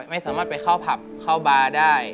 ไม่สามารถไปเข้าผับเข้าบาร์ได้